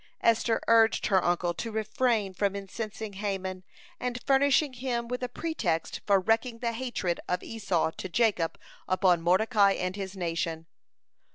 (135) Esther urged her uncle to refrain from incensing Haman and furnishing him with a pretext for wreaking the hatred of Esau to Jacob upon Mordecai and his nation.